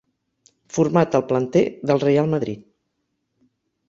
Format al planter del Reial Madrid.